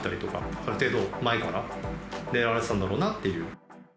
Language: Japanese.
ある程度、前から狙われてたんだろうなという。